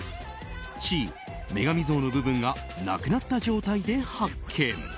Ｃ、女神像の部分がなくなった状態で発見。